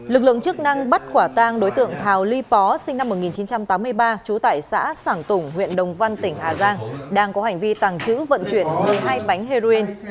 lực lượng chức năng bắt quả tang đối tượng thào ly pó sinh năm một nghìn chín trăm tám mươi ba trú tại xã sảng tùng huyện đồng văn tỉnh hà giang đang có hành vi tàng trữ vận chuyển một mươi hai bánh heroin